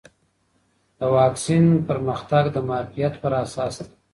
د واکسین پرمختګ د معافیت پر اساس دی.